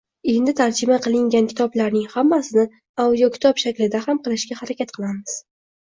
Endi tarjima qilingan kitoblarning hammasini audiokitob shaklida ham qilishga harakat qilamiz.